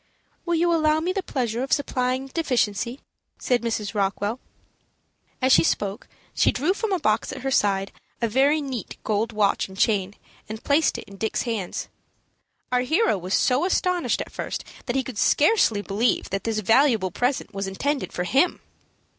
"Will you allow me the pleasure of supplying the deficiency?" said Mrs. Rockwell. As she spoke, she drew from a box at her side a very neat gold watch and chain, and placed it in Dick's hands. Our hero was so astonished at first that he could scarcely believe that this valuable present was intended for him.